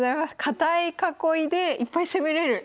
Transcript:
堅い囲いでいっぱい攻めれる。